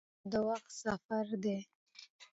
تاریخ د وخت سفر دی.